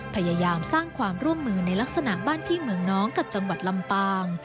พยายามสร้างความร่วมมือในลักษณะบ้านพี่เมืองน้องกับจังหวัดลำปาง